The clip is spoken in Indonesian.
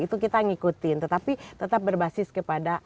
itu kita ngikutin tetapi tetap berbasis kepada